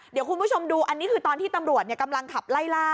เดี๋ยวคุณผู้ชมดูอันนี้คือตอนที่ตำรวจกำลังขับไล่ล่า